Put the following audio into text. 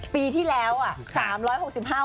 ปีที่แล้ว๓๖๕วัน